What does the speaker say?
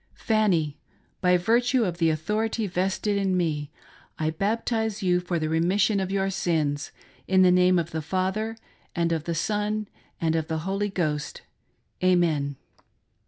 " Fanny ; by virtue of the authority vested in me, I baptize you for the remission of your sins; in the name of the Father, and of the Son, and of the Holy Ghost. Amen."